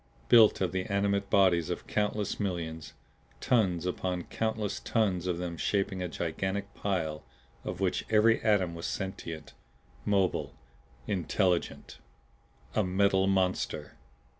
Built of the animate bodies of countless millions! Tons upon countless tons of them shaping a gigantic pile of which every atom was sentient, mobile intelligent! A Metal Monster!